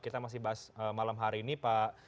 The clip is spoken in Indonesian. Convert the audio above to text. kita masih bahas malam hari ini pak